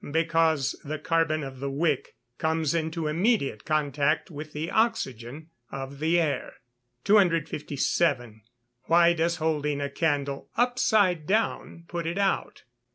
_ Because the carbon of the wick comes into immediate contact with the oxygen of the air. 257. _Why does holding a candle "upside down" put it out?